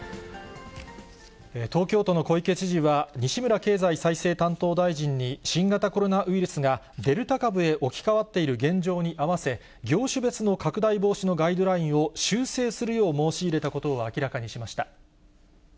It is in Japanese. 東京都の小池知事は、西村経済再生担当大臣に、新型コロナウイルスがデルタ株へ置き換わっている現状に合わせ、業種別の拡大防止のガイドラインを修正するよう申し入れたことを明らかにしました。